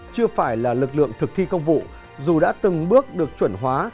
chưa phải là lực lượng thực thi công vụ dù đã từng bước được chuẩn hóa